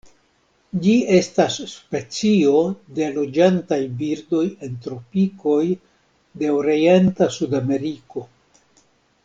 Ĝi estas specio de loĝantaj birdoj en tropikoj de orienta Sudameriko.